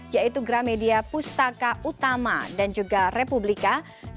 yaitu gramedia pustaka utama dan juga republika